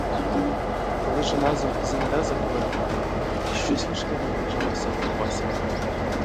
Коли ж разом земля загула від гаю, і щось важке наближається до пасіки.